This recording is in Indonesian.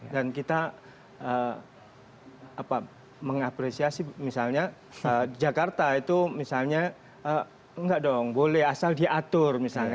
kita mengapresiasi misalnya jakarta itu misalnya enggak dong boleh asal diatur misalnya